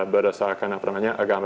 berdasarkan apa namanya agama